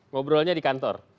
ngobrolnya di kantor